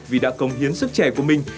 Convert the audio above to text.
vì đã công hiến sức trẻ của mình